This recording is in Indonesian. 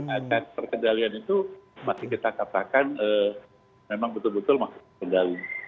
angka terkendalian itu masih kita katakan memang betul betul terkendali